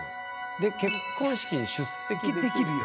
で「結婚式に出席できるよ」。